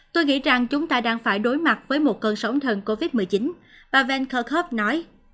tôi nghĩ rằng chúng ta đang phải đối mặt với một cơn sóng thần covid một mươi chín bà ven kurkhov nói